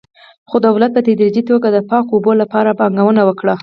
خو دولت په تدریجي توګه د پاکو اوبو لپاره پانګونه وکړه.